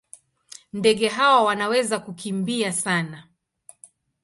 Ndege hawa wanaweza kukimbia sana.